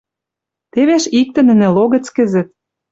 Тевеш иктӹ нӹнӹ логӹц кӹзӹт